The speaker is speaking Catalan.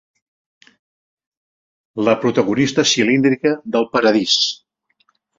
La protagonista cilíndrica del paradís.